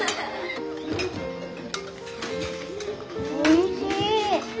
おいしい。